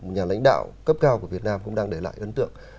nhà lãnh đạo cấp cao của việt nam cũng đang để lại ấn tượng